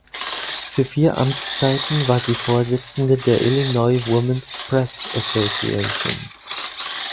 Für vier Amtszeiten war sie Vorsitzende der Illinois Woman’s Press Association.